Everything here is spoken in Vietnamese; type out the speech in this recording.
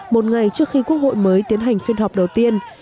một ngày trước khi quốc hội mới tiến hành phiên họp đầu tiên